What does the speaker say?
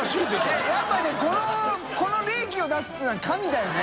笋辰僂蠅この冷気を出すっていうのは神だよね。